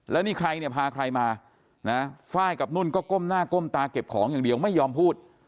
แล้วนี่ใครเนี่ยพาใครมานะไฟล์กับนุ่นก็ก้มหน้าก้มตาเก็บของอย่างเดียวไม่ยอมพูด